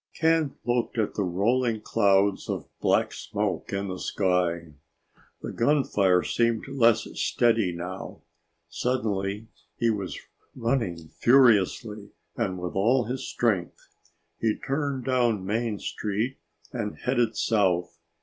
Ken looked at the rolling clouds of black smoke in the sky. The gunfire seemed less steady now. Suddenly he was running furiously and with all his strength. He turned down Main Street and headed south.